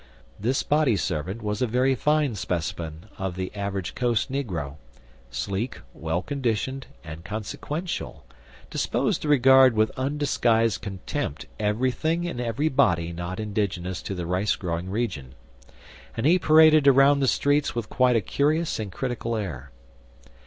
This body servant was a very fine specimen of the average coast negro sleek, well conditioned, and consequential disposed to regard with undisguised contempt everything and everybody not indigenous to the rice growing region and he paraded around the streets with quite a curious and critical air.